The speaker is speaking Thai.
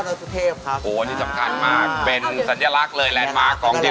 เริ่มต้นตั้งแต่บิวกินนิ่งชบตลาดสายแล้วก็ยาวไปเรื่อยเลย